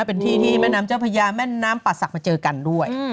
เป็นที่ที่แม่น้ำเจ้าพญาแม่น้ำป่าศักดิ์มาเจอกันด้วย